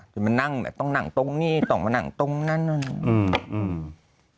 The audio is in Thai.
จะมานั่งแบบต้องนั่งตรงนี้ต้องมานั่งตรงนั้นนั่นอืมอืม